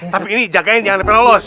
tapi ini jagain jangan sampai lolos